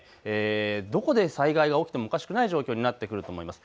どこで災害が起きてもおかしくない状況になってくると思います。